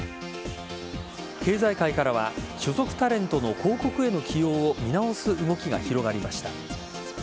経済界からは所属タレントの広告への起用を見直す動きが広がりました。